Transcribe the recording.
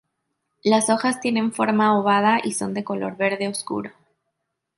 Las hojas tienen forma ovada y son de color verde oscuro.